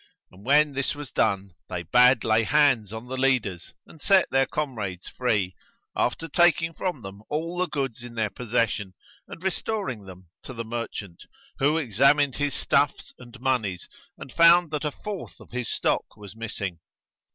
and, when this was done, they bade lay hands on the leaders and set their comrades free, after taking from them all the goods in their possession and restoring them to the merchant, who examined his stuffs and monies and found that a fourth of his stock was missing.